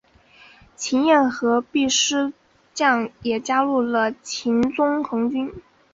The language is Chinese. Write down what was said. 秦彦和毕师铎也加入了秦宗衡军。